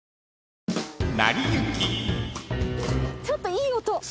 ちょっといい音。